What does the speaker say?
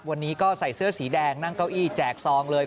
วันนี้ก็ใส่เสื้อสีแดงนั่งเก้าอี้แจกซองเลย